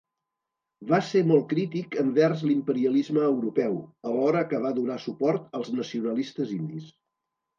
Va ser molt crític envers l'imperialisme europeu, alhora que va donar suport als nacionalistes indis.